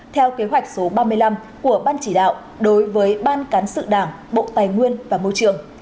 theo kế hoạch số ba mươi năm của ban chỉ đạo đối với ban cán sự đảng bộ tài nguyên và môi trường